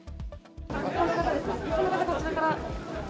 こちらから。